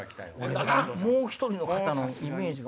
もう１人の方のイメージが。